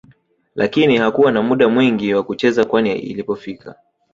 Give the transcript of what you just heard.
lakini hakuwa na muda mwingi wa kucheza kwani ilipofika